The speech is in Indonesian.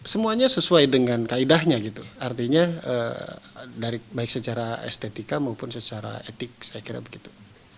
semuanya sesuai dengan kaedahnya gitu artinya baik secara estetika maupun secara etik saya kira begitu